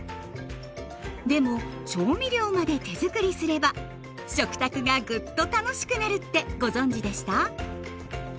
でも調味料まで手づくりすれば食卓がグッと楽しくなるってご存じでした？